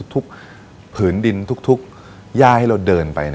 ผืนดินทุกย่าให้เราเดินไป